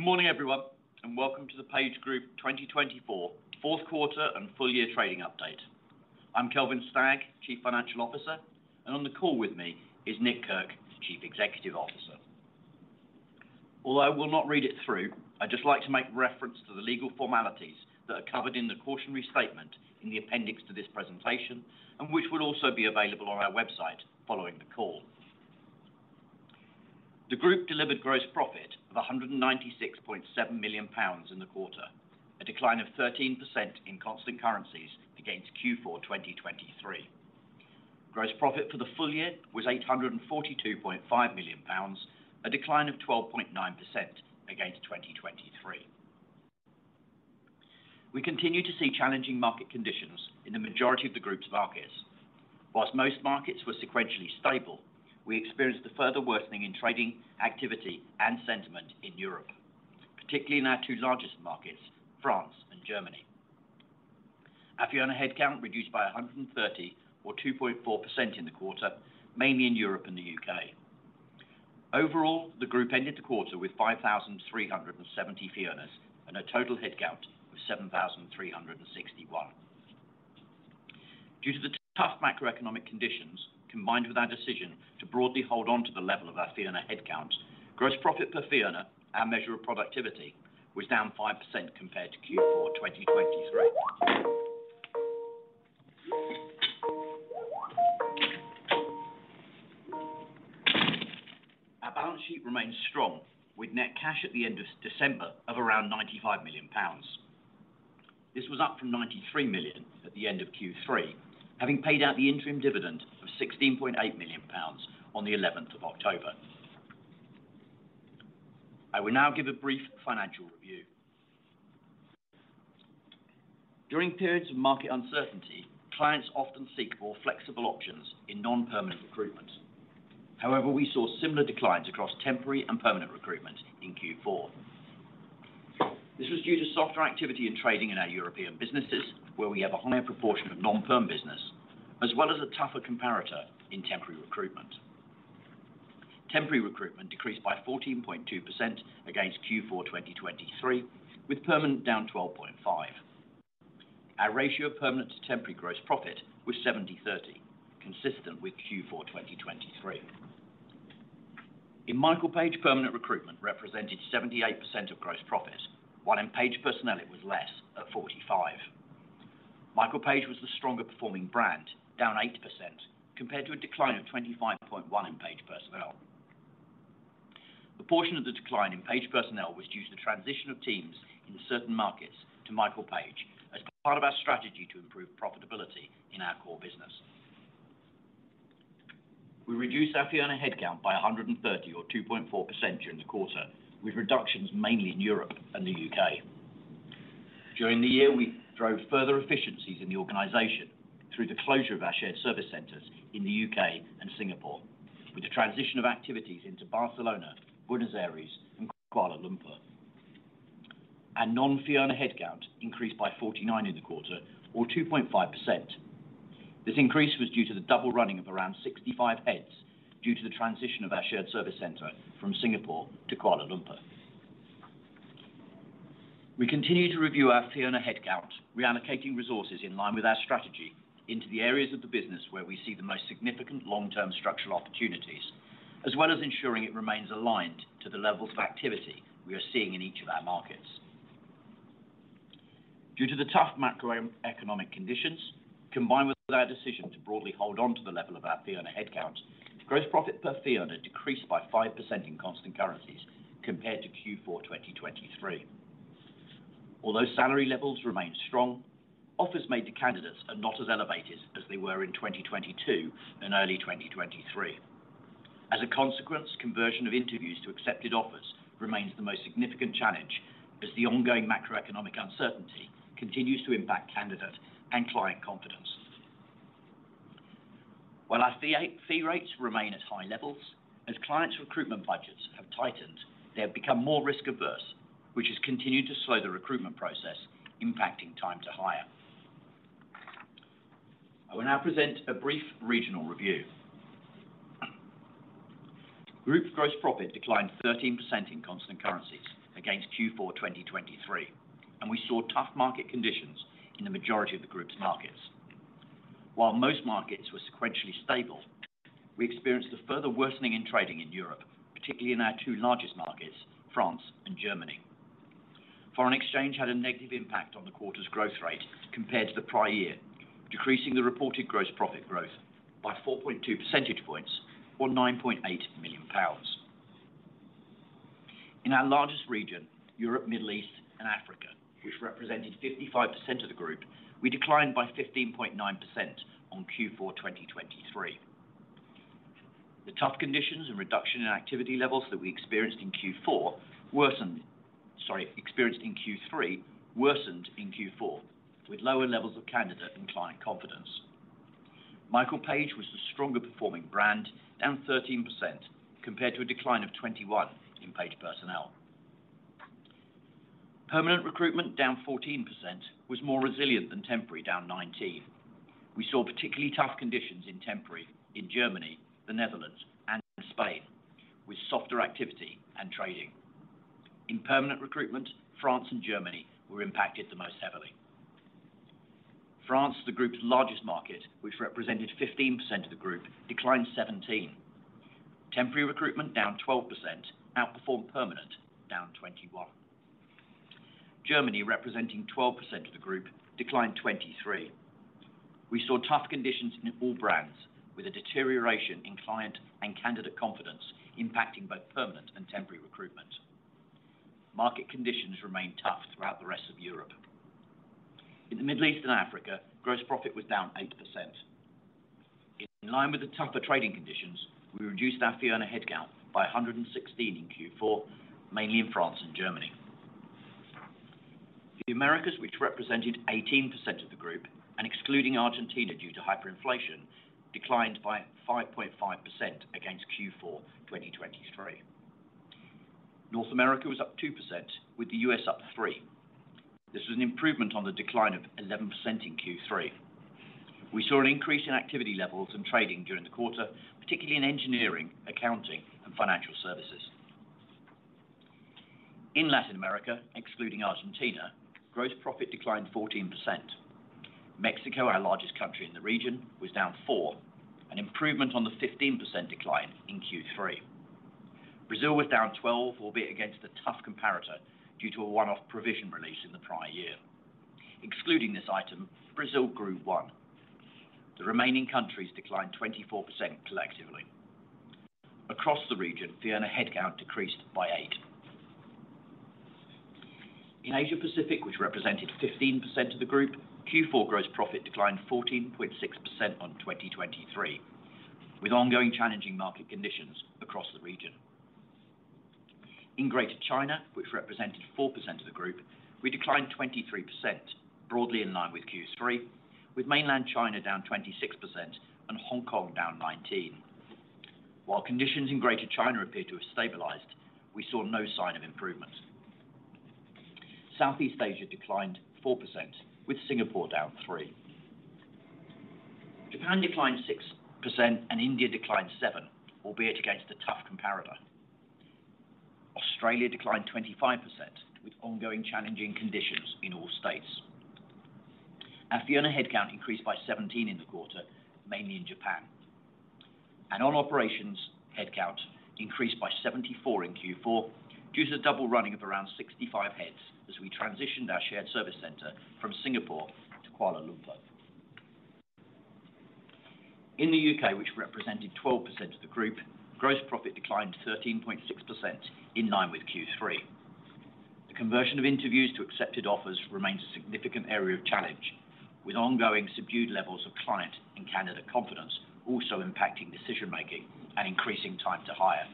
Good morning, everyone, and welcome to the PageGroup 2024 fourth quarter and full-year trading update. I'm Kelvin Stagg, Chief Financial Officer, and on the call with me is Nick Kirk, Chief Executive Officer. Although I will not read it through, I'd just like to make reference to the legal formalities that are covered in the cautionary statement in the appendix to this presentation, and which will also be available on our website following the call. The Group delivered gross profit of 196.7 million pounds in the quarter, a decline of 13% in constant currencies against Q4 2023. Gross profit for the full year was 842.5 million pounds, a decline of 12.9% against 2023. We continue to see challenging market conditions in the majority of the Group's markets. While most markets were sequentially stable, we experienced a further worsening in trading activity and sentiment in Europe, particularly in our two largest markets, France and Germany. Our fee earners headcount reduced by 130, or 2.4% in the quarter, mainly in Europe and the UK. Overall, the Group ended the quarter with 5,370 fee earnerss and a total headcount of 7,361. Due to the tough macroeconomic conditions, combined with our decision to broadly hold on to the level of our fee earners headcount, gross profit per fee earners, our measure of productivity, was down 5% compared to Q4 2023. Our balance sheet remained strong, with net cash at the end of December of around £95 million. This was up from £93 million at the end of Q3, having paid out the interim dividend of £16.8 million on the 11th of October. I will now give a brief financial review. During periods of market uncertainty, clients often seek more flexible options in non-permanent recruitment. However, we saw similar declines across temporary and permanent recruitment in Q4. This was due to softer activity in trading in our European businesses, where we have a higher proportion of non-perm business, as well as a tougher comparator in temporary recruitment. Temporary recruitment decreased by 14.2% against Q4 2023, with permanent down 12.5%. Our ratio of permanent to temporary gross profit was 70/30, consistent with Q4 2023. In Michael Page, permanent recruitment represented 78% of gross profit, while in Page Personnel it was less at 45%. Michael Page was the stronger performing brand, down 8%, compared to a decline of 25.1% in Page Personnel. A portion of the decline in Page Personnel was due to the transition of teams in certain markets to Michael Page as part of our strategy to improve profitability in our core business. We reduced our fee earners headcount by 130, or 2.4%, during the quarter, with reductions mainly in Europe and the UK. During the year, we drove further efficiencies in the organization through the closure of our shared service centers in the UK and Singapore, with the transition of activities into Barcelona, Buenos Aires, and Kuala Lumpur. Our non-fee earners headcount increased by 49% in the quarter, or 2.5%. This increase was due to the double running of around 65 heads due to the transition of our shared service center from Singapore to Kuala Lumpur. We continue to review our fee earners headcount, reallocating resources in line with our strategy into the areas of the business where we see the most significant long-term structural opportunities, as well as ensuring it remains aligned to the levels of activity we are seeing in each of our markets. Due to the tough macroeconomic conditions, combined with our decision to broadly hold on to the level of our fee earners headcount, gross profit per fee earners decreased by 5% in constant currencies compared to Q4 2023. Although salary levels remain strong, offers made to candidates are not as elevated as they were in 2022 and early 2023. As a consequence, conversion of interviews to accepted offers remains the most significant challenge, as the ongoing macroeconomic uncertainty continues to impact candidate and client confidence. While our fee rates remain at high levels, as clients' recruitment budgets have tightened, they have become more risk-averse, which has continued to slow the recruitment process, impacting time to hire. I will now present a brief regional review. Group gross profit declined 13% in constant currencies against Q4 2023, and we saw tough market conditions in the majority of the Group's markets. While most markets were sequentially stable, we experienced a further worsening in trading in Europe, particularly in our two largest markets, France and Germany. Foreign exchange had a negative impact on the quarter's growth rate compared to the prior year, decreasing the reported gross profit growth by 4.2 percentage points or £9.8 million. In our largest region, Europe, Middle East, and Africa, which represented 55% of the Group, we declined by 15.9% on Q4 2023. The tough conditions and reduction in activity levels that we experienced in Q4 worsened in Q4, with lower levels of candidate and client confidence. Michael Page was the stronger performing brand, down 13%, compared to a decline of 21% in Page Personnel. Permanent recruitment, down 14%, was more resilient than temporary, down 19%. We saw particularly tough conditions in temporary in Germany, the Netherlands, and Spain, with softer activity and trading. In permanent recruitment, France and Germany were impacted the most heavily. France, the Group's largest market, which represented 15% of the Group, declined 17%. Temporary recruitment, down 12%, outperformed permanent, down 21%. Germany, representing 12% of the Group, declined 23%. We saw tough conditions in all brands, with a deterioration in client and candidate confidence impacting both permanent and temporary recruitment. Market conditions remained tough throughout the rest of Europe. In the Middle East and Africa, gross profit was down 8%. In line with the tougher trading conditions, we reduced our fee earners headcount by 116 in Q4, mainly in France and Germany. The Americas, which represented 18% of the Group and excluding Argentina due to hyperinflation, declined by 5.5% against Q4 2023. North America was up 2%, with the US up 3%. This was an improvement on the decline of 11% in Q3. We saw an increase in activity levels and trading during the quarter, particularly in engineering, accounting, and financial services. In Latin America, excluding Argentina, gross profit declined 14%. Mexico, our largest country in the region, was down 4%, an improvement on the 15% decline in Q3. Brazil was down 12%, albeit against a tough comparator due to a one-off provision release in the prior year. Excluding this item, Brazil grew 1%. The remaining countries declined 24% collectively. Across the region, fee earners headcount decreased by 8%. In Asia-Pacific, which represented 15% of the Group, Q4 gross profit declined 14.6% on 2023, with ongoing challenging market conditions across the region. In Greater China, which represented 4% of the Group, we declined 23%, broadly in line with Q3, with mainland China down 26% and Hong Kong down 19%. While conditions in Greater China appear to have stabilized, we saw no sign of improvement. Southeast Asia declined 4%, with Singapore down 3%. Japan declined 6%, and India declined 7%, albeit against a tough comparator. Australia declined 25%, with ongoing challenging conditions in all states. Our fee earners headcount increased by 17% in the quarter, mainly in Japan. Our non-fee earners headcount increased by 74% in Q4 due to the double running of around 65 heads as we transitioned our shared service center from Singapore to Kuala Lumpur. In the UK, which represented 12% of the Group, gross profit declined 13.6% in line with Q3. The conversion of interviews to accepted offers remains a significant area of challenge, with ongoing subdued levels of client and candidate confidence also impacting decision-making and increasing time to hire.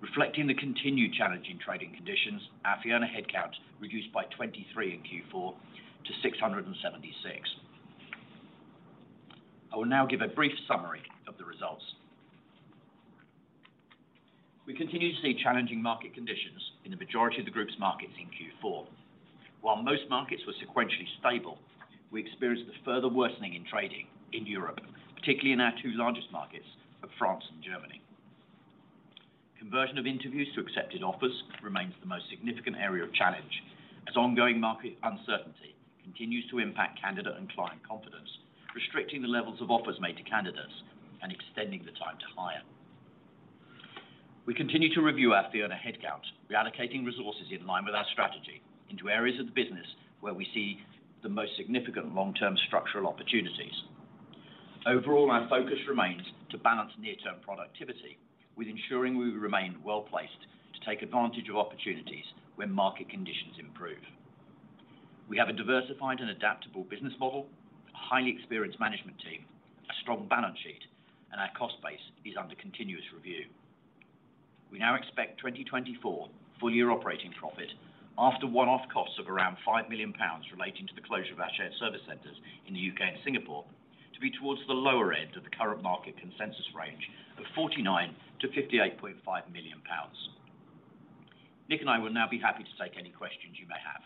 Reflecting the continued challenging trading conditions, our fee earners headcount reduced by 23% in Q4 to 676. I will now give a brief summary of the results. We continue to see challenging market conditions in the majority of the Group's markets in Q4. While most markets were sequentially stable, we experienced a further worsening in trading in Europe, particularly in our two largest markets, France and Germany. Conversion of interviews to accepted offers remains the most significant area of challenge, as ongoing market uncertainty continues to impact candidate and client confidence, restricting the levels of offers made to candidates and extending the time to hire. We continue to review our fee earners headcount, reallocating resources in line with our strategy into areas of the business where we see the most significant long-term structural opportunities. Overall, our focus remains to balance near-term productivity with ensuring we remain well-placed to take advantage of opportunities when market conditions improve. We have a diversified and adaptable business model, a highly experienced management team, a strong balance sheet, and our cost base is under continuous review. We now expect 2024 full-year operating profit, after one-off costs of around 5 million pounds relating to the closure of our shared service centers in the UK and Singapore, to be towards the lower end of the current market consensus range of 49-58.5 million pounds. Nick and I will now be happy to take any questions you may have.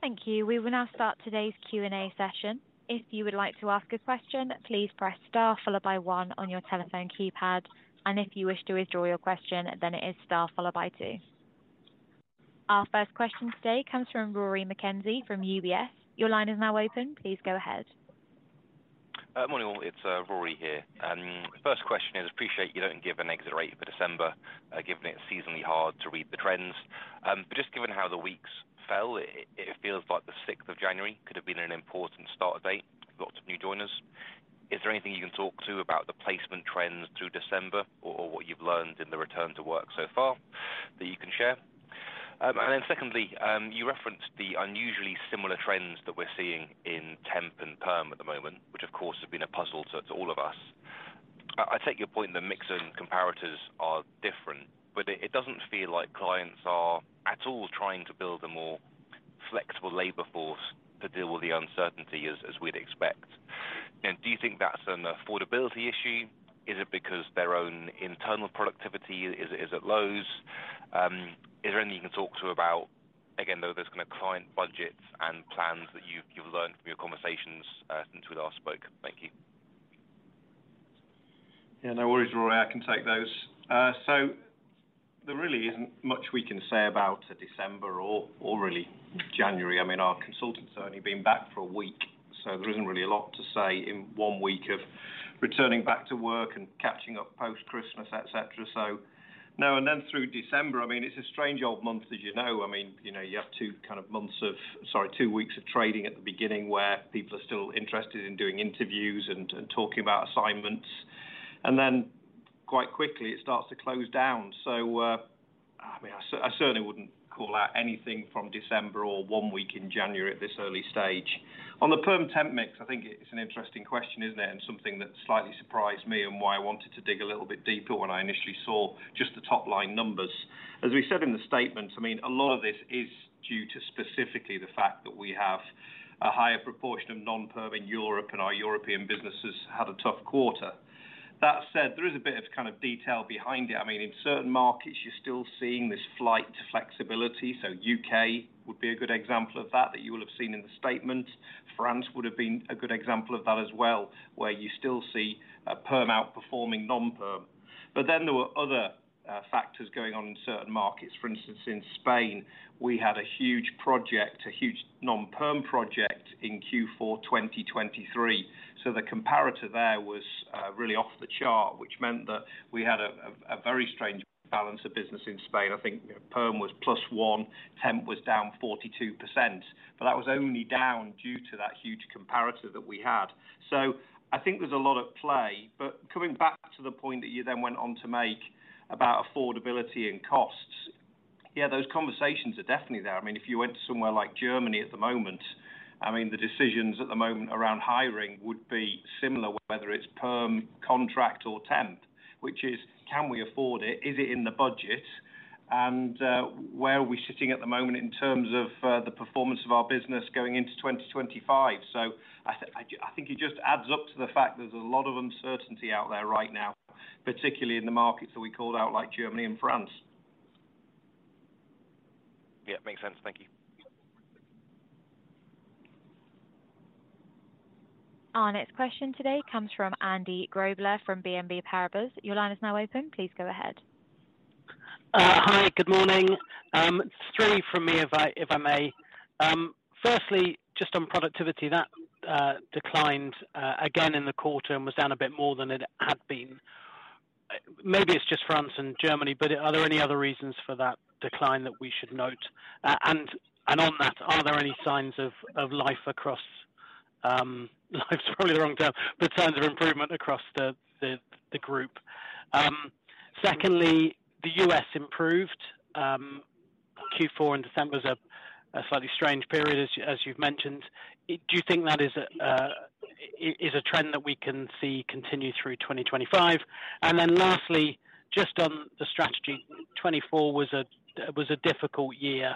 Thank you. We will now start today's Q&A session. If you would like to ask a question, please press star followed by one on your telephone keypad, and if you wish to withdraw your question, then it is star followed by two. Our first question today comes from Rory McKenzie from UBS. Your line is now open. Please go ahead. Morning all. It's Rory here. First question is, I appreciate you don't give an exit rate for December, given it's seasonally hard to read the trends. But just given how the weeks fell, it feels like the 6th of January could have been an important start date, lots of new joiners. Is there anything you can talk to about the placement trends through December or what you've learned in the return to work so far that you can share? And then secondly, you referenced the unusually similar trends that we're seeing in temp and perm at the moment, which of course has been a puzzle to all of us. I take your point that mix and comparators are different, but it doesn't feel like clients are at all trying to build a more flexible labor force to deal with the uncertainty as we'd expect. Now, do you think that's an affordability issue? Is it because their own internal productivity is at lows? Is there anything you can talk to about, again, those kind of client budgets and plans that you've learned from your conversations since we last spoke? Thank you. Yeah, no worries, Rory. I can take those. So there really isn't much we can say about December or really January. I mean, our consultants have only been back for a week, so there isn't really a lot to say in one week of returning back to work and catching up post-Christmas, etc. So no. Then through December, I mean, it's a strange old month, as you know. I mean, you have two weeks of trading at the beginning where people are still interested in doing interviews and talking about assignments. And then quite quickly, it starts to close down. So I mean, I certainly wouldn't call out anything from December or one week in January at this early stage. On the perm temp mix, I think it's an interesting question, isn't it? And something that slightly surprised me and why I wanted to dig a little bit deeper when I initially saw just the top-line numbers. As we said in the statement, I mean, a lot of this is due to specifically the fact that we have a higher proportion of non-perm in Europe, and our European businesses had a tough quarter. That said, there is a bit of kind of detail behind it. I mean, in certain markets, you're still seeing this flight to flexibility. So UK would be a good example of that you will have seen in the statement. France would have been a good example of that as well, where you still see perm outperforming non-perm. But then there were other factors going on in certain markets. For instance, in Spain, we had a huge project, a huge non-perm project in Q4 2023. So the comparator there was really off the chart, which meant that we had a very strange balance of business in Spain. I think perm was +1%, temp was -42%. But that was only down due to that huge comparator that we had. So I think there's a lot at play. But coming back to the point that you then went on to make about affordability and costs, yeah, those conversations are definitely there. I mean, if you went to somewhere like Germany at the moment, I mean, the decisions at the moment around hiring would be similar, whether it's perm, contract, or temp, which is, can we afford it? Is it in the budget? And where are we sitting at the moment in terms of the performance of our business going into 2025? So I think it just adds up to the fact there's a lot of uncertainty out there right now, particularly in the markets that we called out, like Germany and France. Yeah, makes sense. Thank you. Our next question today comes from Andy Grobler from BNP Paribas. Your line is now open. Please go ahead. Hi, good morning. Three from me, if I may. Firstly, just on productivity, that declined again in the quarter and was down a bit more than it had been. Maybe it's just France and Germany, but are there any other reasons for that decline that we should note? And on that, are there any signs of life across, life's probably the wrong term, but signs of improvement across the Group? Secondly, the U.S. improved. Q4 and December was a slightly strange period, as you've mentioned. Do you think that is a trend that we can see continue through 2025? And then lastly, just on the strategy, 24 was a difficult year.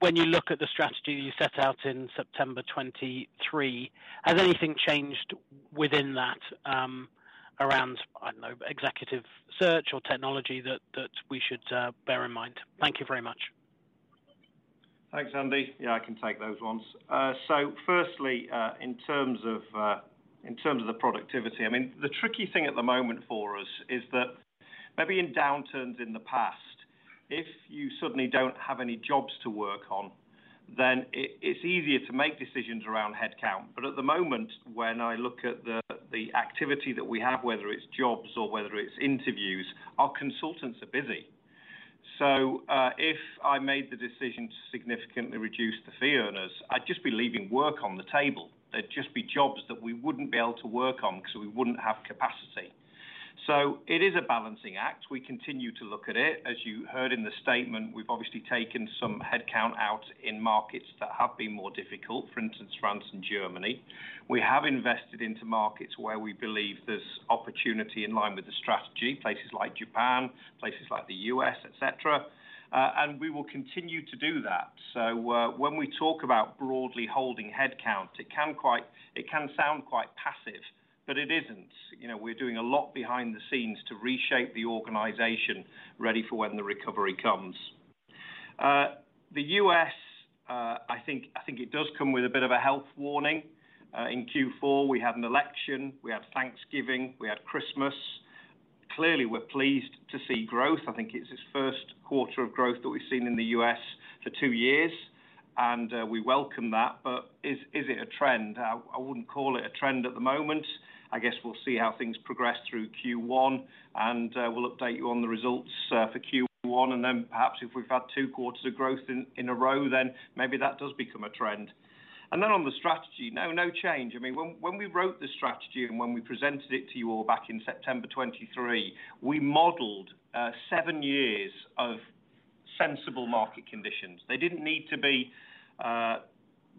When you look at the strategy you set out in September 2023, has anything changed within that around, I don't know, executive search or technology that we should bear in mind? Thank you very much. Thanks, Andy. Yeah, I can take those ones. So firstly, in terms of the productivity, I mean, the tricky thing at the moment for us is that maybe in downturns in the past, if you suddenly don't have any jobs to work on, then it's easier to make decisions around headcount. But at the moment, when I look at the activity that we have, whether it's jobs or whether it's interviews, our consultants are busy. So if I made the decision to significantly reduce the fee earnerss, I'd just be leaving work on the table. There'd just be jobs that we wouldn't be able to work on because we wouldn't have capacity. So it is a balancing act. We continue to look at it. As you heard in the statement, we've obviously taken some headcount out in markets that have been more difficult, for instance, France and Germany. We have invested into markets where we believe there's opportunity in line with the strategy, places like Japan, places like the US, etc. And we will continue to do that. So when we talk about broadly holding headcount, it can sound quite passive, but it isn't. We're doing a lot behind the scenes to reshape the organization ready for when the recovery comes. The US, I think it does come with a bit of a health warning. In Q4, we had an election, we had Thanksgiving, we had Christmas. Clearly, we're pleased to see growth. I think it's its first quarter of growth that we've seen in the US for two years, and we welcome that. But is it a trend? I wouldn't call it a trend at the moment. I guess we'll see how things progress through Q1, and we'll update you on the results for Q1. And then perhaps if we've had two quarters of growth in a row, then maybe that does become a trend. And then on the strategy, no change. I mean, when we wrote the strategy and when we presented it to you all back in September 2023, we modeled seven years of sensible market conditions. They didn't need to be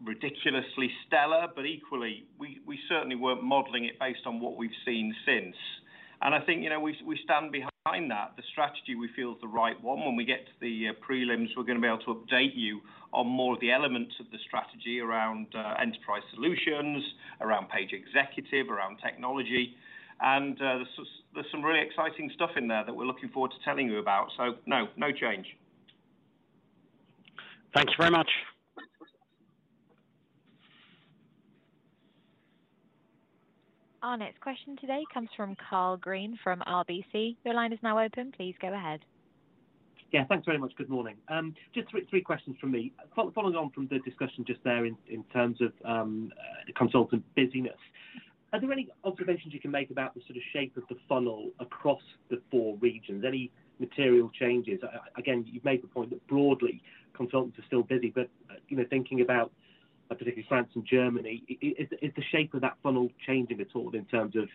ridiculously stellar, but equally, we certainly weren't modeling it based on what we've seen since. And I think we stand behind that. The strategy, we feel, is the right one. When we get to the prelims, we're going to be able to update you on more of the elements of the strategy around Enterprise Solutions, around Page Executive, around technology. And there's some really exciting stuff in there that we're looking forward to telling you about. So no, no change. Thanks very much. Our next question today comes from Karl Green from RBC. Your line is now open. Please go ahead. Yeah, thanks very much. Good morning. Just three questions from me. Following on from the discussion just there in terms of the consultant busyness, are there any observations you can make about the sort of shape of the funnel across the four regions? Any material changes? Again, you've made the point that broadly, consultants are still busy. But thinking about particularly France and Germany, is the shape of that funnel changing at all in terms of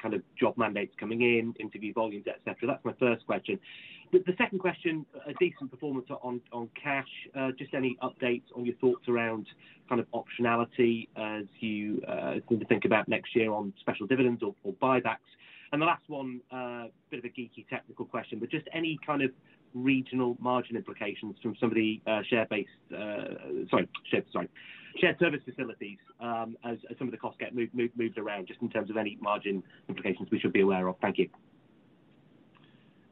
kind of job mandates coming in, interview volumes, etc.? That's my first question. The second question, a decent performance on cash. Just any updates on your thoughts around kind of optionality as you think about next year on special dividends or buybacks? And the last one, a bit of a geeky technical question, but just any kind of regional margin implications from some of the share-based, sorry, shared service facilities as some of the costs get moved around, just in terms of any margin implications we should be aware of? Thank you.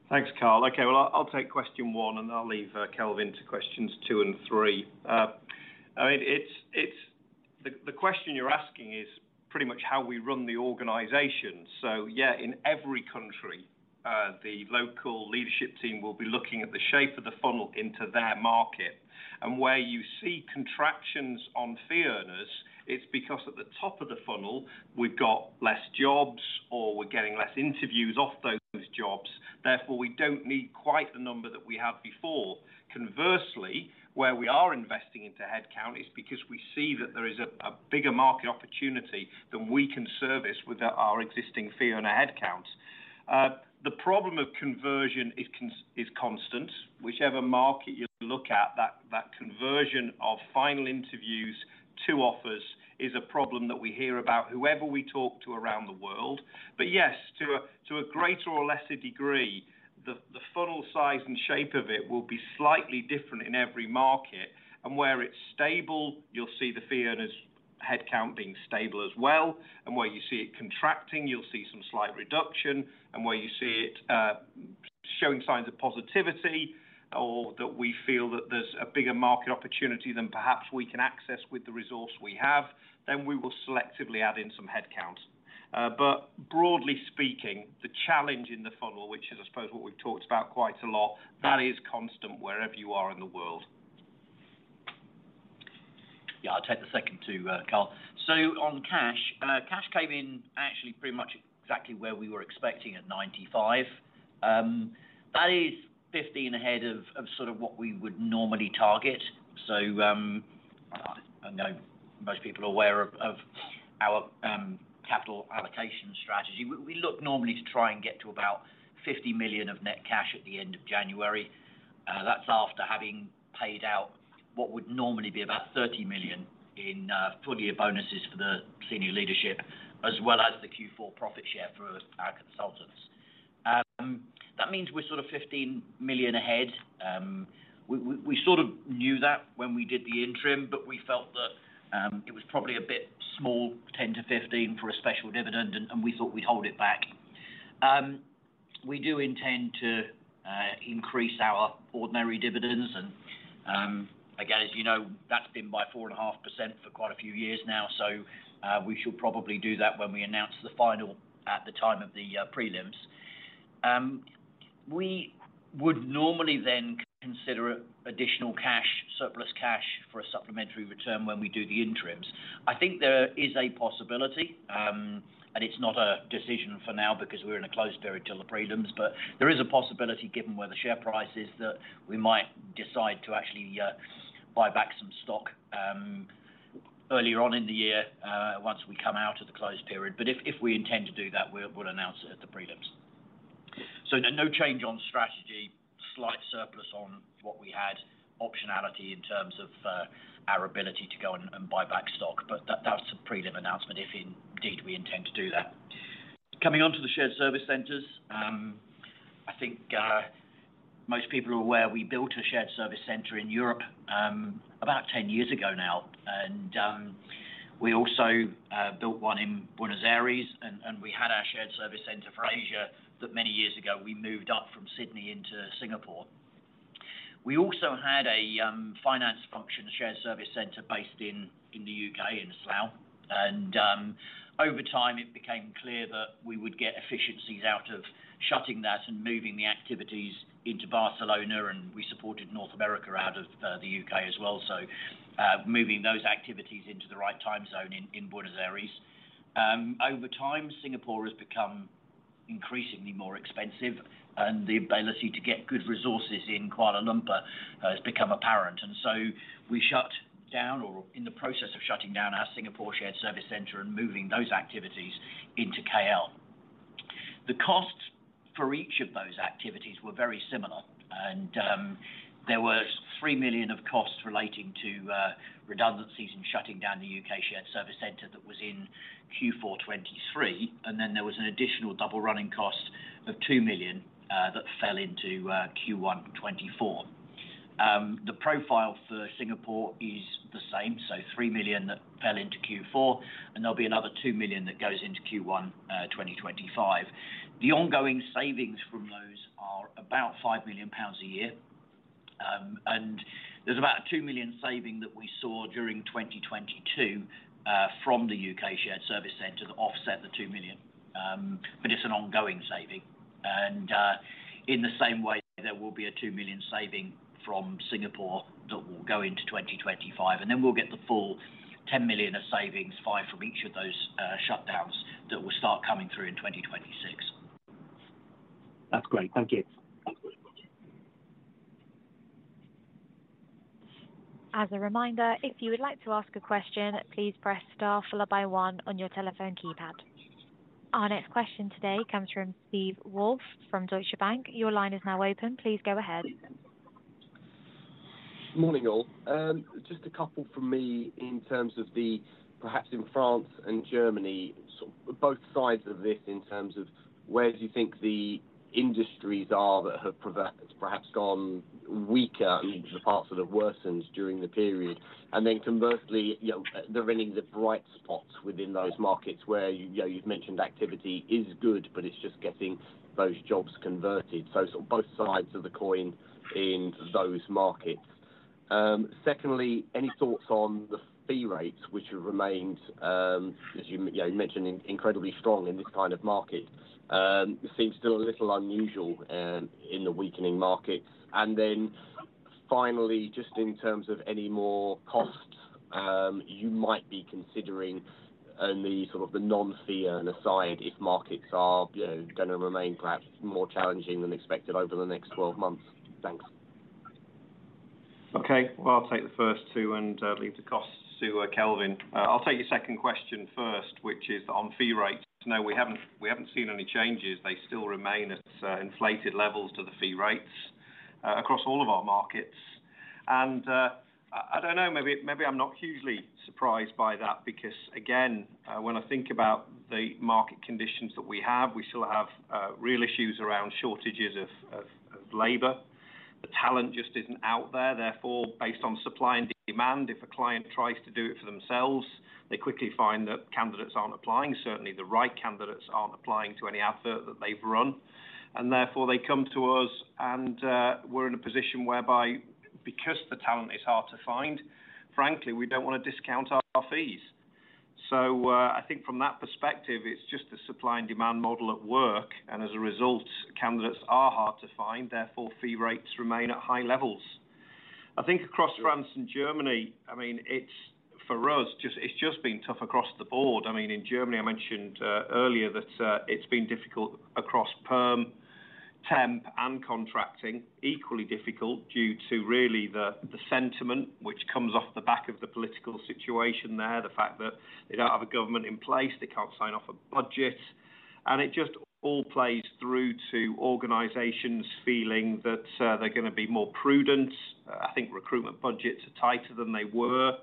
Thanks, Karl. Okay, well, I'll take question one, and I'll leave Kelvin to questions two and three. I mean, the question you're asking is pretty much how we run the organization. So yeah, in every country, the local leadership team will be looking at the shape of the funnel into their market. And where you see contractions on fee earnerss, it's because at the top of the funnel, we've got less jobs or we're getting less interviews off those jobs. Therefore, we don't need quite the number that we had before. Conversely, where we are investing into headcount is because we see that there is a bigger market opportunity than we can service with our existing fee earners headcount. The problem of conversion is constant. Whichever market you look at, that conversion of final interviews to offers is a problem that we hear about whoever we talk to around the world. But yes, to a greater or lesser degree, the funnel size and shape of it will be slightly different in every market. And where it's stable, you'll see the fee earnerss headcount being stable as well. And where you see it contracting, you'll see some slight reduction. And where you see it showing signs of positivity or that we feel that there's a bigger market opportunity than perhaps we can access with the resource we have, then we will selectively add in some headcount. But broadly speaking, the challenge in the funnel, which is, I suppose, what we've talked about quite a lot, that is constant wherever you are in the world. Yeah, I'll take the second too, Karl. So on cash, cash came in actually pretty much exactly where we were expecting at 95 million. That is 15 million ahead of sort of what we would normally target. So I know most people are aware of our capital allocation strategy. We look normally to try and get to about 50 million of net cash at the end of January. That's after having paid out what would normally be about 30 million in full-year bonuses for the senior leadership, as well as the Q4 profit share for our consultants. That means we're sort of 15 million ahead. We sort of knew that when we did the interim, but we felt that it was probably a bit small, 10 to 15 for a special dividend, and we thought we'd hold it back. We do intend to increase our ordinary dividends. And again, as you know, that's been by 4.5% for quite a few years now. So we should probably do that when we announce the final at the time of the prelims. We would normally then consider additional cash, surplus cash for a supplementary return when we do the interims. I think there is a possibility, and it's not a decision for now because we're in a closed period till the prelims, but there is a possibility given where the share price is that we might decide to actually buy back some stock earlier on in the year once we come out of the closed period. But if we intend to do that, we'll announce it at the prelims. So no change on strategy, slight surplus on what we had, optionality in terms of our ability to go and buy back stock. But that's a prelim announcement if indeed we intend to do that. Coming on to the shared service centers, I think most people are aware we built a shared service center in Europe about 10 years ago now. And we also built one in Buenos Aires, and we had our shared service center for Asia that many years ago we moved up from Sydney into Singapore. We also had a finance function shared service center based in the U.K. in Slough. And over time, it became clear that we would get efficiencies out of shutting that and moving the activities into Barcelona, and we supported North America out of the U.K. as well. Moving those activities into the right time zone in Buenos Aires. Over time, Singapore has become increasingly more expensive, and the ability to get good resources in Kuala Lumpur has become apparent. We shut down or in the process of shutting down our Singapore shared service center and moving those activities into KL. The costs for each of those activities were very similar. There were 3 million of costs relating to redundancies in shutting down the UK shared service center that was in Q4 2023. There was an additional double running cost of 2 million that fell into Q1 2024. The profile for Singapore is the same. 3 million that fell into Q4 2024, and there'll be another 2 million that goes into Q1 2025. The ongoing savings from those are about 5 million pounds a year. There's about a 2 million saving that we saw during 2022 from the UK shared service center that offset the 2 million. It's an ongoing saving. In the same way, there will be a 2 million saving from Singapore that will go into 2025. Then we'll get the full 10 million of savings, 5 million from each of those shutdowns that will start coming through in 2026. That's great. Thank you. As a reminder, if you would like to ask a question, please press star followed by one on your telephone keypad. Our next question today comes from Steve Woolf from Deutsche Bank. Your line is now open. Please go ahead. Morning, all. Just a couple from me in terms of the performance in France and Germany, both sides of this in terms of where do you think the industries are that have perhaps gone weaker and the parts that have worsened during the period. And then conversely, are there any bright spots within those markets where you've mentioned activity is good, but it's just getting those jobs converted? So both sides of the coin in those markets. Secondly, any thoughts on the fee rates, which have remained, as you mentioned, incredibly strong in this kind of market, seem still a little unusual in the weakening market. And then finally, just in terms of any more costs you might be considering and the sort of non-fee earner side if markets are going to remain perhaps more challenging than expected over the next 12 months. Thanks. Okay. I'll take the first two and leave the costs to Kelvin. I'll take your second question first, which is on fee rates. No, we haven't seen any changes. They still remain at inflated levels to the fee rates across all of our markets. And I don't know, maybe I'm not hugely surprised by that because, again, when I think about the market conditions that we have, we still have real issues around shortages of labor. The talent just isn't out there. Therefore, based on supply and demand, if a client tries to do it for themselves, they quickly find that candidates aren't applying. Certainly, the right candidates aren't applying to any advert that they've run. And therefore, they come to us, and we're in a position whereby, because the talent is hard to find, frankly, we don't want to discount our fees. So I think from that perspective, it's just a supply and demand model at work. And as a result, candidates are hard to find. Therefore, fee rates remain at high levels. I think across France and Germany, I mean, for us, it's just been tough across the board. I mean, in Germany, I mentioned earlier that it's been difficult across Perm, Temp, and contracting, equally difficult due to really the sentiment which comes off the back of the political situation there, the fact that they don't have a government in place, they can't sign off a budget. And it just all plays through to organizations feeling that they're going to be more prudent. I think recruitment budgets are tighter than they were.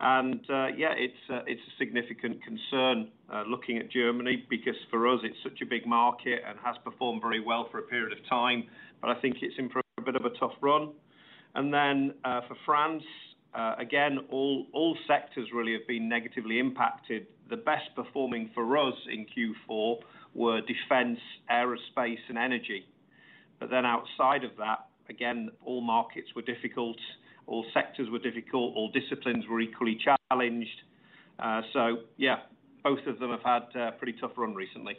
And yeah, it's a significant concern looking at Germany because for us, it's such a big market and has performed very well for a period of time. But I think it's in for a bit of a tough run. And then for France, again, all sectors really have been negatively impacted. The best performing for us in Q4 were defense, aerospace, and energy. But then outside of that, again, all markets were difficult, all sectors were difficult, all disciplines were equally challenged. So yeah, both of them have had a pretty tough run recently.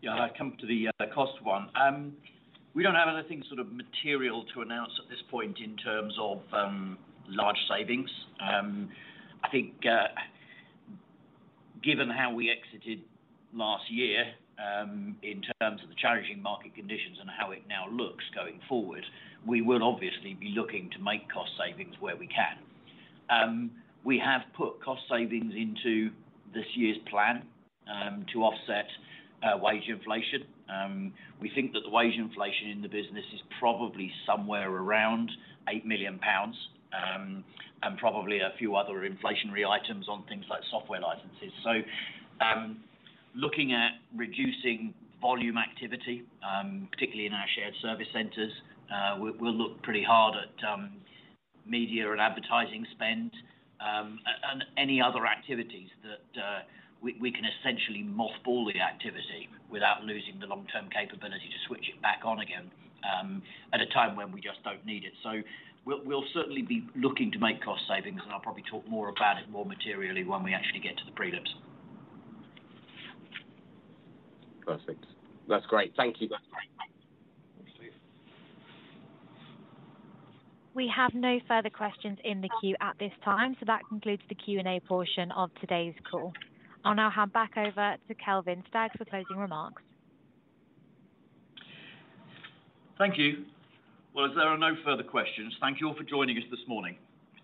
Yeah, I'll come to the cost one. We don't have anything sort of material to announce at this point in terms of large savings. I think given how we exited last year in terms of the challenging market conditions and how it now looks going forward, we will obviously be looking to make cost savings where we can. We have put cost savings into this year's plan to offset wage inflation. We think that the wage inflation in the business is probably somewhere around 8 million pounds and probably a few other inflationary items on things like software licenses, so looking at reducing volume activity, particularly in our shared service centers, we'll look pretty hard at media and advertising spend and any other activities that we can essentially mothball the activity without losing the long-term capability to switch it back on again at a time when we just don't need it, so we'll certainly be looking to make cost savings, and I'll probably talk more about it more materially when we actually get to the prelims. Perfect. That's great. Thank you. We have no further questions in the queue at this time, so that concludes the Q&A portion of today's call. I'll now hand back over to Kelvin Stagg for closing remarks. Thank you. As there are no further questions, thank you all for joining us this morning.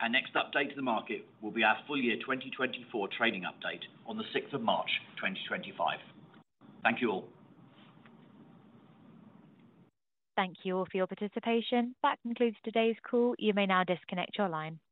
Our next update to the market will be our full-year 2024 trading update on the 6th of March, 2025. Thank you all. Thank you all for your participation. That concludes today's call. You may now disconnect your line.